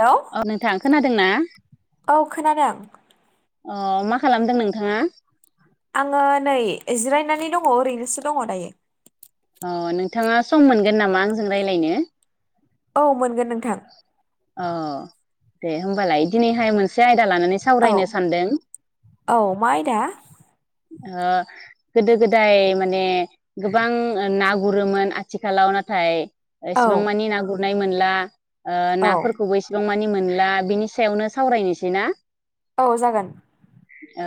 Hello औ नोंथां खोनादों ना औ खोनादों। अ मा खालामदों नोंथाङा? आङो नै जिरायनानै दङ ओरैनोसो दङ दायो। अ नोंथाङा सम मोनगोन नामा आंजों रायलायनो? औ मोनगोन नोंथां। औ दे होमबालाय दिनैहाय मोनसे आयदा लानानै औ सावरायनो सानदों। औ मा आयदा ओ गोदो गोदाय माने गोबां ना गुरोमोन, आथिखालाव नाथाय औ एसेबां मानि ना गुर नाय मोनला ओ औ नाफोरखौबो एसेबां मानि मोनला बिनि सायावनो सावरायनोसै ना? औ जागोन। औ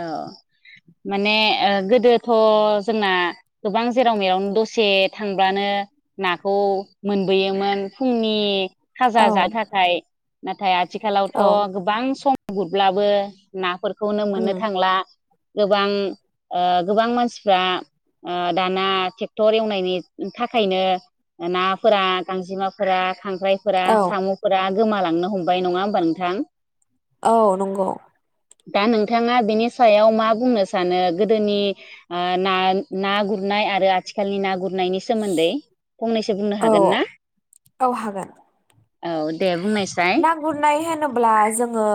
माने ओ गोदोथ' जोंना गोबां जेराव मेरावनो दसे थांब्लानो नाखौ मोनबोयोमोन फुंनि खाजा औ जानो थाखाय नाथाय आथिखालावथ' औ गोबां सम गुरब्लाबो नाफोर खौनो मोननो उम थांला। गोबां ओ गोबां मानसिफ्रा ओ दाना ट्रेक्टर एवनायनि थाखायनो नाफोरा गांजेमाफोरा खांख्रायफोरा औ साम'फोरा गोमालांनो हमबाय नङा होमबा नोंथां? औ नंगौ । दा नोंथाङा बेनि सायाव मा बुंनो सानो गोदोनि ओ ना ना गुरनाय आरो आथिखालनि ना गुरनायनि सोमोन्दै । औ औ हागोन। औ दे बुंनायसाय ना गुरनाय होनोब्ला जोङो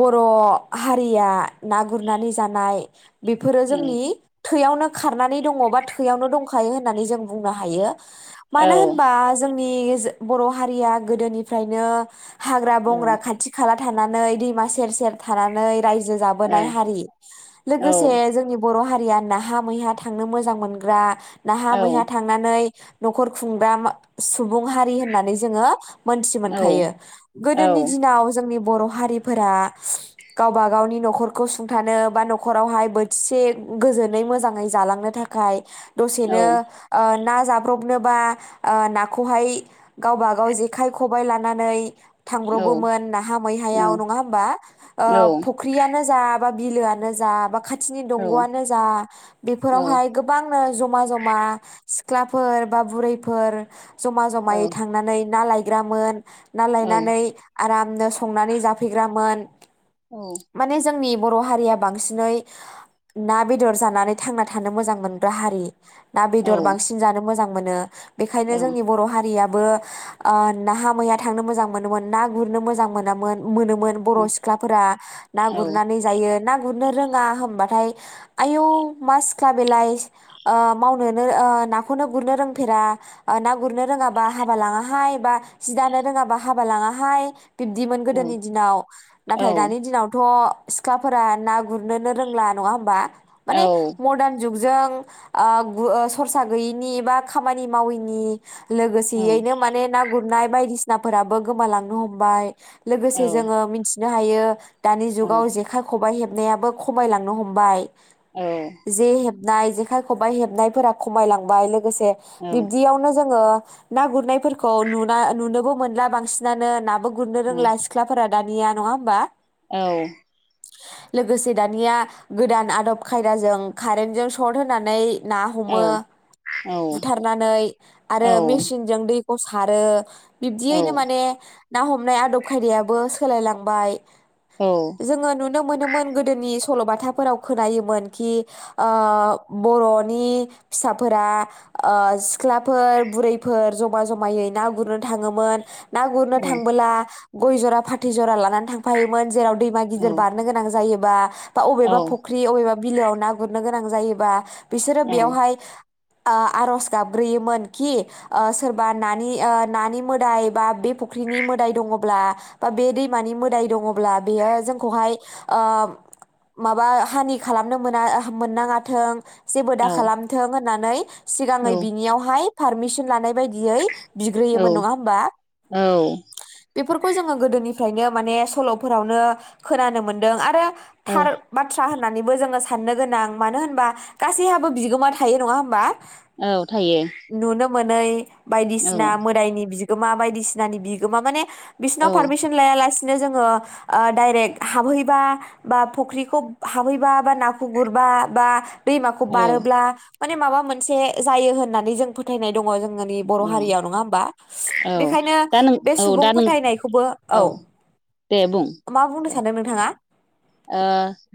बर' हारिया ना गुरनानै जानाय बेफोरो जोंनि थैयावनो खारनानै दङ बा थैयावनो दंखायो होननानै जों बुंनो हायो। औ मानो होनबा जों नि जो बर हारिया गोदोनि फ्रायनो हाग्रा बंग्रा खाथि खाला थानानै दैमा सेर सेर थानानै रायजो औ जाबोनाय हारि। औ लोगोसे जोंनि बर' हारि या नाहा मैहा थांनो मोजां मोनग्रा नाहा औ मैहा थांनानै नखर खुंग्रा मा सुबुं हारि होननानै जोङो मोनथि औ मोनखायो औ गोदोनि दिनाव जोंनि बर' हारिफोरा गावबा गावनि नखरखौ सुंथानो बा नखरावहाय बोथिसे गोजोनै मोजाङै जालांनो थाखाय दसेनो ओ ना जाब्रबनोबा ओ नाखौहाय गावबा गाव जे खाइ खबाइ लानानै औ थांब्रबोमोन नाहा मैहायाव नङा होमबा ओ फख्रियानो जा बा बिलोआनो जा बा खात थिनि दंगआनो जा औ बेफोरावहाय गोबांनो जमा जमा सिख्लाफोर बा बुरैफोर जमा जमायै थांनानै ना लाय ग्रामोन। ना लायनानै आराम नो संनानै जाफैग्रामोन। माने जोंनिब बर हारिया बांसिनै ना बेदर जानानै थांना थानो मोजां मोनग्रा हारि ना बेदर औ बांसिन जानो मोजां मोनो । बेखायनो जोंनि बर हारियाब बो ओ नाहा मैया थांनो मोजां मोनोमोन ना गुरनो मोजां मोनामोन। मोनोमोन बर सिख्लाफोरा ना गुरनानै जायो ना गुरनो रोंडा होमबाथाय आयु मा सिख्ला बेलाय ओ मावनोनो ओ नांखौ नों गुरनो रोंफेरा ओ ना गुरनो रोंडाबा हाबा लांडा हाय । बा जि दानो रोङाबा हाबा लाङाहाय। बिब्दिमोन गोदोनि दिनाव नाथाय दानि दिनावथ। सिख्लाफोरा ना गुरनोनो रोंला नङा होमबा। माने मदारन जुग जों ओ गु ओ सरसा गैयैनि बा खामानि मावैनि। लोगोसेयैनो माने नाग बायदिसिनाफोराबो गोमालांनो हमबाय। लोगोसे जोङो मिन्थ नो हायो। दानि जुगाव जेखाइ खबाइ हेब नायाबो खमायलांनो हमबाय। ए हबनाय जेखाइ खबाइ हेबनायफोरा खमायलांबाय लोग लोगोसे बिब्दियावनो जो ङो ना गुरनायफोरखौ नुन ना नुनो बोमोनला बांसिनानो नाबोग गुरनो रोंला सिख्लाफोरा। दानिया नङा होमबा औ। लोगोसे दानिया गोदान आदब खायदाजों कारेन्टजों सर्ट होनानै ना हमो औ बुथारनानै आरो औ मेसिनजों दै खौ सारो। बिब्दियैनो माने ना हमनाय आदब खायदायाबो सोलायलांबाय। जोङो नुनो मोनोमोन गोदोनि सल बाथाफोराव खोनायोमोन कि बर नि फिसाफोरा सिख्लाफोर बुरैफोर जमा जमायै ना गुरनो थाङोमोन। ना गुरनो थांबोला गय जरा फाथै जरा लानानै थांफायोमोन जेराव दैमा गिदिर बारनो गोनां जायो। बा बबेबा फख्रि अबेबा बिलोआव ना गुरनो गोनां जायोबा बिसोरो औ-औ-औ-औ-औ-औ-औ-औ-औ-औ-औ-औ बेवहाय ओ आरज गाबग्रोयोमोन खि सोरबा नानि ओ नानि मोदाय बा बे फुख्रिनि मोदाय दङब्ला बा बे दैमानि मोदाय दङब्ला बेयो जोंखौहाय ओ माबा हानि खालामनो मोना मोननाङाथों । जेबो दा खालामथों होन नानै सिगाङै बिनियावहाय पारमिसन लानाय बायदियै बि ग्रोयोमोन नङा होमबा बेफोरखौ जोङो गोदोनिफ्रायनो माने सल'फोरावनो खोनानो मोनदों आरो थार बाथ्रा होन होननानैबो जोङो साननो गोनां मानो होनबा गासैहाबो बिगोमा थायो नङा होमबा? औ थायो। नुनो मोनै ना मोदायनि बि गोमा बायदिसिनानि बिगोमा माने बिसोरनाव पारमिसन लाया लासेनो नो जोङो डायरेक्ट हाबहैबा बा फुख्रिखौ हाबहैबा बा नाखौ गुरबा बा दैमाखौ औ-औ-औ-औ बारोब्ला माने माबा मोनसे जायो होननानै जों फोथायनाय दङ जों नि बर हारियाव नङा होमबा औ बेखायनो दा नों बे औ सुबुं दा नों फोथायनायखौबो औ दे बुं मा बुंनो दे सानदों नोंथाङा ओ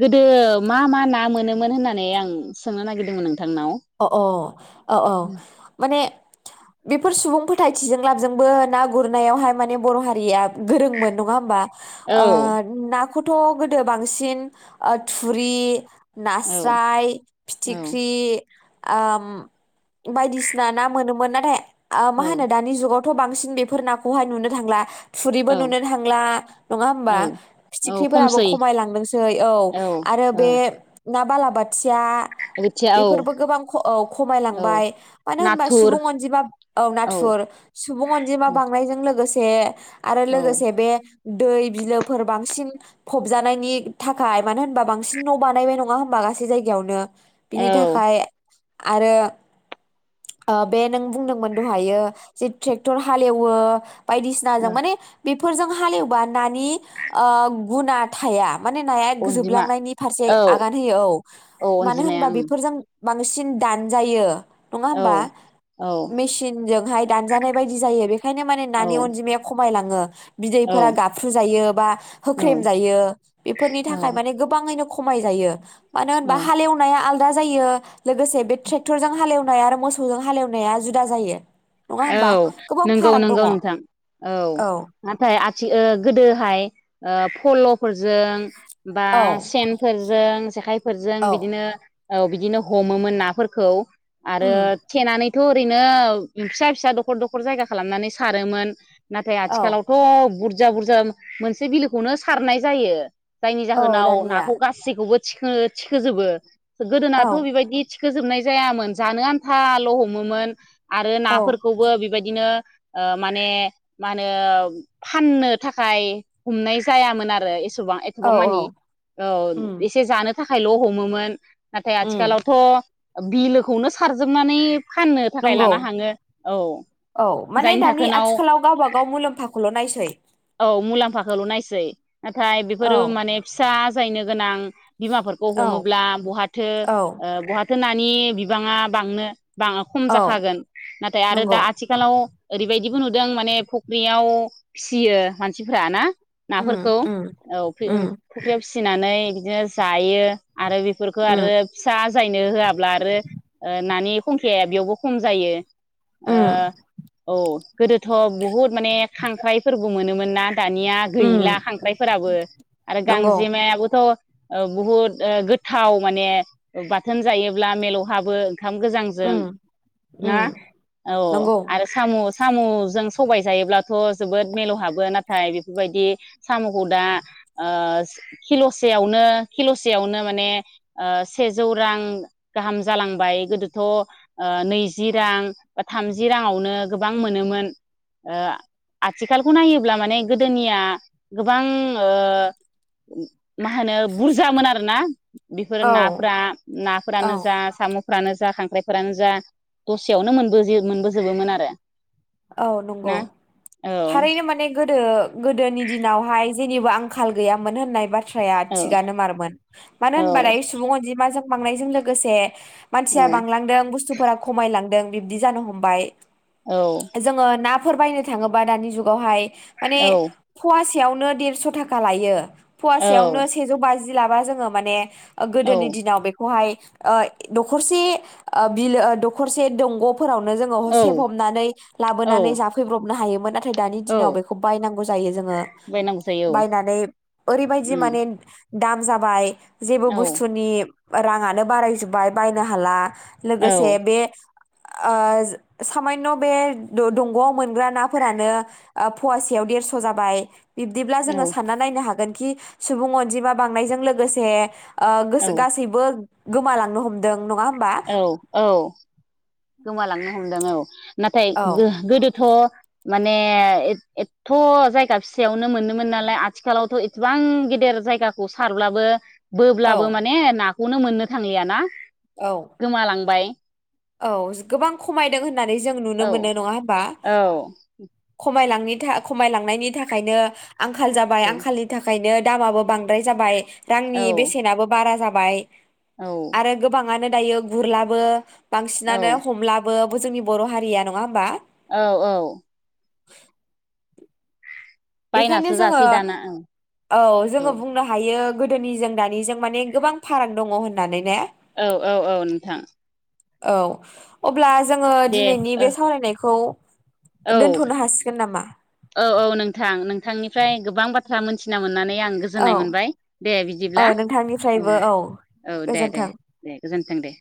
गोदो मा मा ना ना मोनो मोन होननानै आं सोंनो नागिरदों [unintelligible] अ अ औ औ औ माने बेफोर सुबुं फोथायथिजों लाबजोंबो ना गुरनायावहाय माने बर हारिया गोरोंमोन नङा होमबा? ओ ना खौथ गोदो बांसिन ओ थुरि औ-औ-औ-औ-औ नास्राय, फिथिख्रि ओम बायदिसिना ना मोनोमोन नाथाय औ मा होनो दानि जुगाव थ बांसिन बेफोर नाखौहाय नुनो थांला थुरिबो औ नुननो थांला नङा होमबा औ औ फिथिख्रिफोराबो खमसै खमायलांदोंसै औ औ-औ आरो बे ना बालाबाद थिया बोथिया बे फोरबो औ-औ गोबां औ खमायलांबाय मानो होनबा नाथुर सुबुं अनजिमा औ औ-औ-औ नाथुर सुबुं अनजिमा बांनायजों लोगो से आरो लोगोसे बे दै बिलोफोर बांसिन फबजानायनि थाखाय मानो होनबा बांसिन न बानायबाय नङा होनबा गासै जायगायावनो। बिनि औ थाखाय आरो बे नों बुंदोंमोन दहायो जे ट्रेक्टर हालेवो बायदिसिनाजों माने बे बेफोरजों हालेवबा नानि ओ गुना थाया। माने नाया अनजिमा जोबलांनायनि फारसे औ आगान होयो औ औ मानो अनजिमाया होनबा उम बेफोरजों बांसिन दानजायो नङा औ होमबा औ मेसिनजोंहाय दानजानाय बायदि जायो बेखायनो माने नानि औ अनजिमाया खमायलाङो [unintelligible] बिदैफोरा गाबफ्रुजायो बा औ होख्रेम जायो बेफोरनि औ थाखाय माने गोबाङैनो खमाय जायो मानो होनबा औ हालेवनाया आल दा जायो लोगोसे बे ट्रेक्टरजों हालेव नाय आरो मोसौजों हालेवनाया जुदा जायो नङा औ होमबा गोबां नंगौ फाराग दङ नंगौ औ नोंथां औ नाथाय आथि ओ गोदोहाय फल' फोरजों बा सेनफोरजों जेखाय फोरजों औ बिदिनो औ बिदिनो हमोमोन नाफोरखौ आरो उम थेनानै थ' ओरैनो फिसा फिसा दखर दखर जायगा खालामनानै सारोमोन नाथाय औ आथिखालावथ बुर बुरजा बुरजा मोनसे बिलोखौनो सारनाय जायो जायनि औ जाहोनाव दानिया नाखौ गासैखौबो थिखो-थिखोजोबो औ गोदोनाथ बेबायदि थिख खोजोबनाय जायामोन जानो आन्थाल हमोमोन आरो औ नाफोरखौबो बेबायदिनो ओ माने मा होनो फाननो थाखाय हमनाय जायामोन आरो एसे औ एथबां-एथबांमानि औ ओ उम एसे जानो थाखायल हमोमोन। नाथाय उम आथिखालावथ बिलोखौनो सारजोबनानै फाननो थाखाय नंगौ लाना औ औ माने जायनि दानि थाखोनाव आथिखालाव गावबा गाव मुलाम्फाखौल नायसै। औ मुलाम्फाखौल नायसै। नाथाय औ बेफोरो माने फिसा बुजायनो गोनां बिमाफोरखौ औ हमोब्ला बहाथो औ ओ बहाथो नाय नि बिबाङा बांनो बाङा खम औ जाखागोन। नाथाय आरो दा नंगौ आथिखालाव ओरैबायदिबो नुदों माने फख्रियाव फिसियो मानसिफ्राना उम नाफोरखौ उम औ ओं उम फुख्रियाव फिसिनानै बिदिनो जायो। आरो बेफोरखौ आरो उम फिसा आजायनो होआब्ला आरो नानि खंखियाया बेयावबो खम जायो। ओ उम औ गोदोथ बहुद माने खांख्राइफोरबो मोनोमोन ना। दानिया उम गैला खांख्राइफोराबो आरो नंगौ गांजेमायाबोथ ओ बुहुद ओ गोथाव माने बाथोन जायोब्ला मिलौहाबो। ओंखाम गोजांजों उम ना? उम औ नंगौ आरो साम' सामुजों सबाय जायोब्लाथ जोबोद मिलहाबो नाथाय बेफोरबायदि सामुखौ दा ओ किलसेयावनो किलसेयावनो माने ओ सेजौ रां गाहाम जालांबाय गोदोथ नैजि रां बा थामजि राङावनो गोबां मोनोमोन ओ आथिखालखौ नायोब्ला माने गोदोनिया गोबां ओ मा होनो बुरजामोन आरोना बेफोर औ नाफोरा नाफ्रानो औ जा सामुफ्रानो जा खां फोरानो जा दसेयावनो मोन मोनबो मोनजोबोमोन आरो। औ नंगौ ना औ थारैनो माने गोद गोदो गोदोनि दिनावहाय जेनिबो आंखाल गैयामोन होननाय बाथ थ्राया औ थिगानो मारमोन औ मानो होनबा दायो सुबुं अनजिमाजों बांनायजों लोगोसे मानसिया बांलांदों बुस्थुफोरा खमायलांदों, बिब्दि जानो हमबाय, औ जोङो ना नाफोर बायनो थाङोबा दानि जुगावहाय माने औ फुवा सेयावनो देरस' थाखा लायो फुवासेआवनो सेजौ बाजि बिदि लाबा जोङो माने ओ औ गोदोनि दिनाव बेखौहाय ओ दखरसे ओ बिलो ओ दखरसे दंग फोरावनो जोङो औ सेब हमनानै औ लाबोनानै जाफैब्रब हमनो हायोमोन नाथाय दानि औ दिनाव बेखौ बायनांगौ जायो जोङो बायनांगौ जायो औ बायनानै ओरैबायदि उम माने दाम जाबाय जेबो औ बुस्थुनि राङानो बारायजोब्बाय बायनो हाला औ लोगोसे बे ओ सामानबे दंग मोनग्रा नाफोरानो फवासेयाव देरस जाबाय बिब्दिब्ला औ जोङो सानना नायनो हागोन कि सुबुं अनजिमा बांनायजों लोगोसे ओ औ गासो गासैबो गोमालांनो हमदों नङा हो औ औ गोमालांनो हमदों औ नाथाय औ गोदोथ माने एथ जायगा फिसायावनो मोनोमोन नालाय आथिखालाव थएसेबां गेदेर जायगाखौ सारब्लाबो औ बोबब्लाबो माने नाखौ उनाव मोननो थांलियाना? औ गोमालांबाय औ गोबां खमायदों होननानै जों नुनो औ मोनो नङा होमबा? औ खमायलांनि था खमायलांनायनि थाखायनो आंखाल जाबाय औ आंखालनि थाखायनो दामाबो बांद्राय जाबाय रांनि औ बेसेनाबो बारा जा बाय आरो गोबाङानो दायो गुरलाबो औ बांसिनानो हमलाबो जोंनि बर हारिया नङा होमबा? औ औ [inaudible] बेखायनो बायनासो जोङो जासै दाना औ औ जोङो औ बुंनो हायो। गोदोनिजों दानिजों माने गोबां फाराग दङ होननानै ने? औ औ औ नोंथां औ अ ब्ला जोङो दे दिनैनि बे सावरायनायखौ औ दोनथ'नो हासिगोन नामा औ औ नोंथां नोंथांनिफ्राय गोबां बा थ्रा मोनथिना मोननानै आं औ गोजोन्नाय मोनबाय दे औ बिदिब्ला औ नोंथांनिफ्रायबो औ दे दे गोजोन्थों दे गोजोनथों दे।